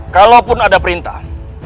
kalaupun ada perintah